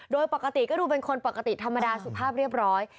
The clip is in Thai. โดยปกติก็ดูเป็นคนปกติธรรมดาสุภาพเรียบร้อย